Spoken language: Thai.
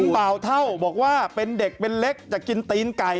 เบาเท่าบอกว่าเป็นเด็กเป็นเล็กจะกินตีนไก่